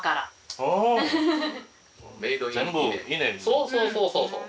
・そうそうそうそうそう。